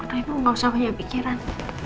iya ibu gak usah hanya pikiran